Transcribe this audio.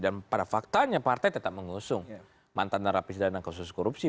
dan pada faktanya partai tetap mengusung mantan rapi dana kasus korupsi